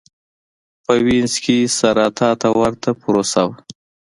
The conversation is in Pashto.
په وینز کې سېراتا ته ورته پروسه وه.